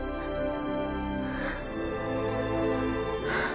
ああ！